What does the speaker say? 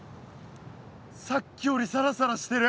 さっきよりサラサラしてる。